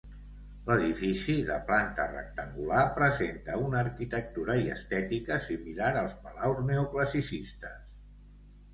L'edifici, de planta rectangular, presenta una arquitectura i estètica similar als palaus neoclassicistes.